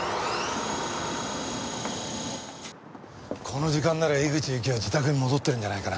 この時間なら江口ゆきは自宅に戻ってるんじゃないかな。